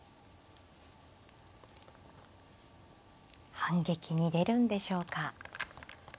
反撃に出るんでしょうか。